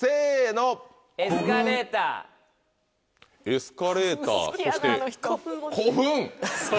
エスカレーターそして古墳。